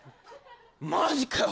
マジかよ。